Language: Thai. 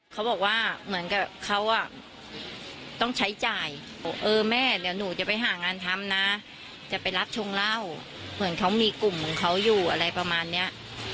เขาบอกว่าเหมือนกับเขาอ่ะต้องใช้จ่ายบอกเออแม่เดี๋ยวหนูจะไปหางานทำนะจะไปรับชงเหล้าเหมือนเขามีกลุ่มของเขาอยู่อะไรประมาณเนี้ย